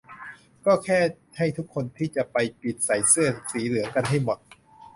ก็แค่ให้ทุกคนที่จะไปปิดใส่เสื้อสีเหลืองกันให้หมด